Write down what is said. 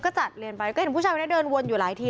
ก็จัดเรียนไปก็เห็นผู้ชายคนนี้เดินวนอยู่หลายที